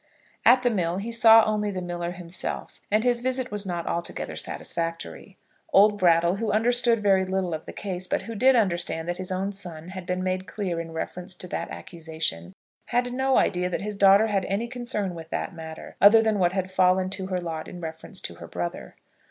At the mill he saw only the miller himself, and his visit was not altogether satisfactory. Old Brattle, who understood very little of the case, but who did understand that his own son had been made clear in reference to that accusation, had no idea that his daughter had any concern with that matter, other than what had fallen to her lot in reference to her brother.